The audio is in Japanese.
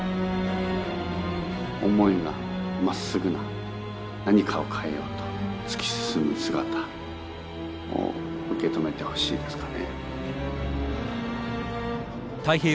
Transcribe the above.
思いがまっすぐな何かを変えようと突き進む姿を受け止めてほしいですかね。